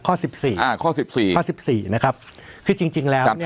สิบสี่อ่าข้อสิบสี่ข้อสิบสี่นะครับคือจริงจริงแล้วเนี่ย